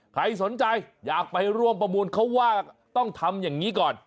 ใครสนใจอยากไปร่วมประมูลเขาว่าต้องทำอย่างนี้ก่อน